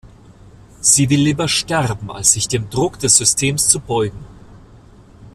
Sie will lieber sterben, als sich dem Druck des Systems zu beugen.